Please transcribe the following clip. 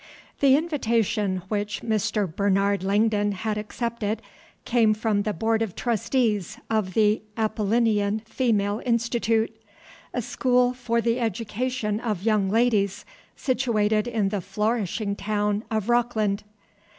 The invitation which Mr. Bernard Langdon had accepted came from the Board of Trustees of the "Apollinean Female Institute," a school for the education of young ladies, situated in the flourishing town of Rockland.